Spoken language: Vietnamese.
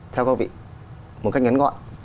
theo các vị một cách ngắn gọi